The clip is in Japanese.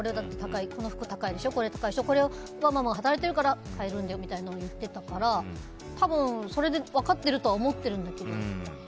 この服高いでしょママは働いてるから買えるんだよみたいなことを言ってたから多分、それで分かってるとは思ってるんだけど。